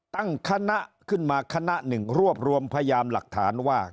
ตั้งคณะขึ้นมาคณะหนึ่งรวบรวมพยานหลักฐานว่า